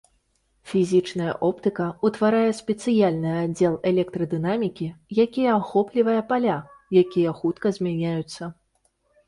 Фізічная оптыка ўтварае спецыяльны аддзел электрадынамікі, які ахоплівае паля, якія хутка змяняюцца.